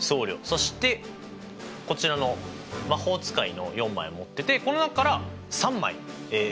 そしてこちらの魔法使いの４枚を持っててこの中から３枚選んで戦うと。